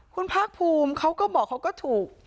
คุณภาคภูมิเขาก็บอกเขาก็ถูก